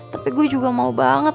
tapi gue juga mau banget